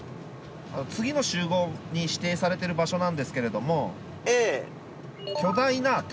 ・次の集合に指定されてる場所なんですけれども・ええ。